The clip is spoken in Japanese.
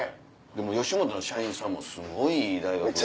吉本の社員さんもすごいいい大学出て。